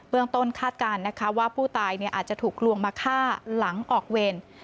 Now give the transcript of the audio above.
เรื่องต้นคาดการณ์นะคะว่าผู้ตายอาจจะถูกลวงมาฆ่าหลังออกเวร